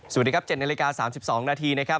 สวัสดีครับเจ็ดในละกา๓๒นาทีนะครับ